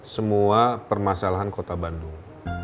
semua permasalahan kota bandung